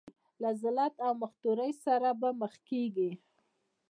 له ذلت او مختورۍ سره به مخ کېږي.